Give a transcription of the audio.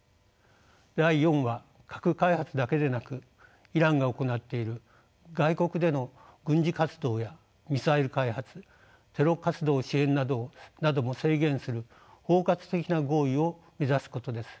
第４は核開発だけでなくイランが行っている外国での軍事活動やミサイル開発テロ活動支援なども制限する包括的な合意を目指すことです。